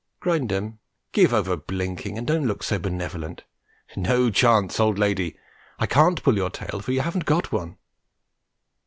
Grindum, give over blinking and don't look so benevolent. No, Chance, no, old lady, I can't pull your tail, for you haven't got one.